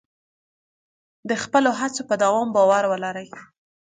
د خپلو هڅو په دوام باور ولرئ.